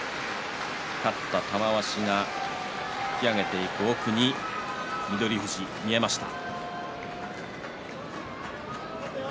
勝った玉鷲が引き揚げていく奥に翠富士が見えました。